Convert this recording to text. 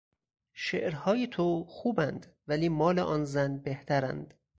شعرهای تو خوباند ولی مال آن زن بهترند.